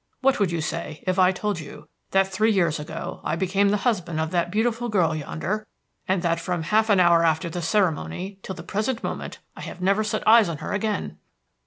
What would you say if I told you that three years ago I became the husband of that beautiful girl yonder, and that from half an hour after the ceremony till the present moment I have never set eyes on her again?"